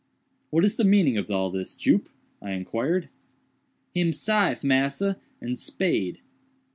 "What is the meaning of all this, Jup?" I inquired. "Him syfe, massa, and spade."